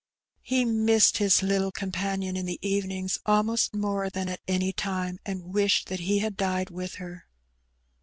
He missed his little com panion in the evenings almost more than at any time, and wished that he had died with her.